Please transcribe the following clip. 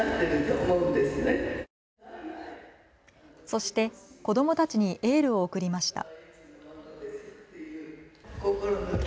そして子どもたちにエールを送りました。